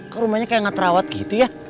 kok rumahnya kayak gak terawat gitu ya